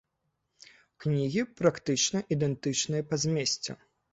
Кнігі практычна ідэнтычныя па змесце.